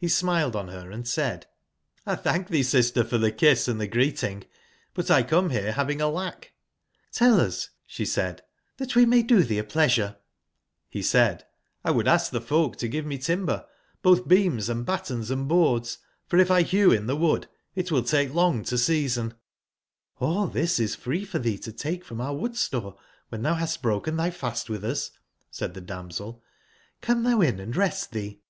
Re smiled on her & said: ''X thank thee, sister, for the kiss and the greeting; butXcome here having a lack''j^'*tlell us,"she said,*' that we may do thee a pleasure "j7 Re said: X would ask the folk to give me timber, both beams and battens and boards; for if X hew in the wood it will take long to season "^Hll this is free for thee to take from our wood/store when thou hast broken thy fast with us," said the damsel. Come thou in and rest thee."